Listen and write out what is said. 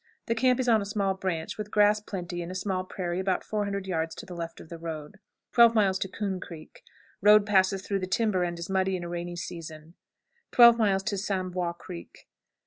The camp is on a small branch, with grass plenty in a small prairie about 400 yards to the left of the road. 12. Coon Creek. Road passes through the timber, and is muddy in a rainy season. 12. Sans Bois Creek.